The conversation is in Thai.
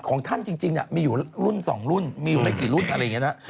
ของท่านจริงมีอยู่รุ่น๒รุ่นมีอยู่ไม่กี่รุ่นอะไรอย่างนี้นะ